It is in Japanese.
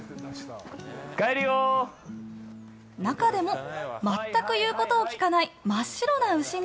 中でも全く言うことの聞かない真っ白な牛が。